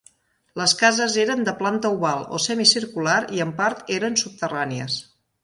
Les cases eren de planta oval o semicircular i en part eren subterrànies.